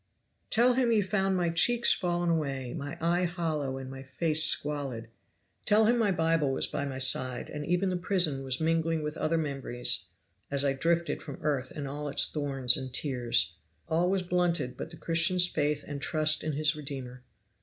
"Tell him you found my cheeks fallen away, my eye hollow, and my face squalid. "Tell him my Bible was by my side, and even the prison was mingling with other memories as I drifted from earth and all its thorns and tears. All was blunted but the Christian's faith and trust in his Redeemer.